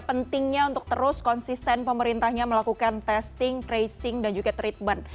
pentingnya untuk terus konsisten pemerintahnya melakukan testing tracing dan juga treatment